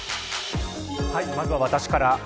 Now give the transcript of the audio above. まずは私から。